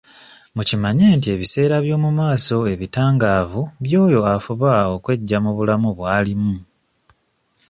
Mukimanye nti ebiseera by'omumaaso ebitangaavu by'oyo afuba okweggya mu bulamu bw'alimu.